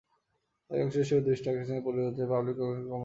তারই অংশ হিসেবে দুই স্টক এক্সচেঞ্জ পরিণত হবে পাবলিক লিমিটেড কোম্পানিতে।